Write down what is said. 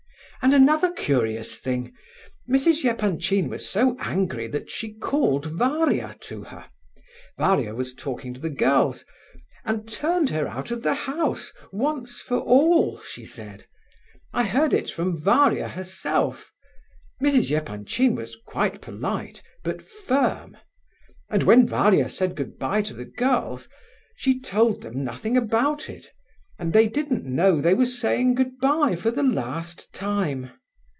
And another curious thing: Mrs. Epanchin was so angry that she called Varia to her—Varia was talking to the girls—and turned her out of the house 'once for all' she said. I heard it from Varia herself—Mrs. Epanchin was quite polite, but firm; and when Varia said good bye to the girls, she told them nothing about it, and they didn't know they were saying goodbye for the last time.